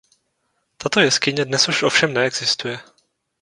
Tato jeskyně dnes už ovšem neexistuje.